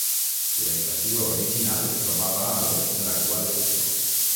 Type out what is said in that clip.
L'estació original es trobava a l'oest de l'actual estació.